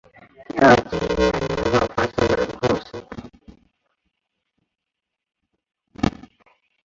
第二季两年后发生的故事。